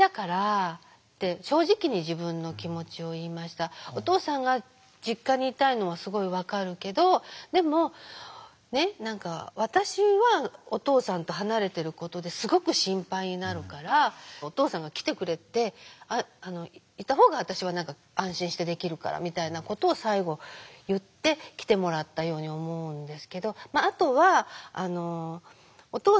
最終的には「お父さんが実家にいたいのはすごい分かるけどでも私はお父さんと離れてることですごく心配になるからお父さんが来てくれていたほうが私は安心してできるから」みたいなことを最後言って来てもらったように思うんですけど。